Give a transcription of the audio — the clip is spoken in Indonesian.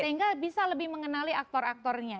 sehingga bisa lebih mengenali aktor aktornya